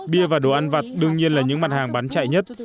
bia và đồ ăn vặt đương nhiên là những mặt hàng bán chạy nhất